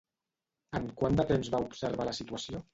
En quant de temps va observar la situació?